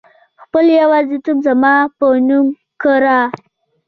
خپل يوازيتوب زما په نوم کړه